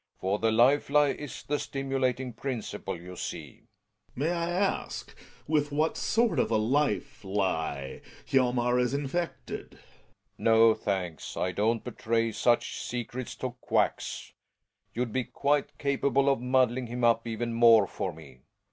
For the life lie is the stimulating principle, you see. Gregers. May I ask with what sort of a life he Hjalmar is infected ? Rellinqs. No, thanks, I don't betray such secrets to quacks. You'd be quite capable of muddling him up even more for me.